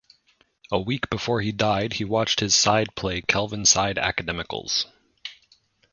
A week before he died he watched his side play Kelvinside Academicals.